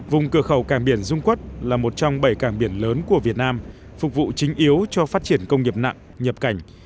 vùng cửa khẩu càng biển dung quốc là một trong bảy cảng biển lớn của việt nam phục vụ chính yếu cho phát triển công nghiệp nặng nhập cảnh